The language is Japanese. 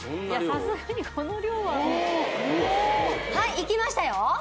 さすがにこの量ははいいきましたよ